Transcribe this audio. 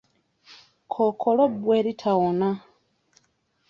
Kkookolo bbwa eritawona.